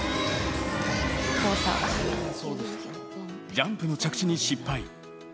ジャンプの着地に失敗。